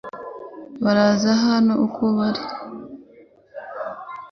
Baraza hano uko biri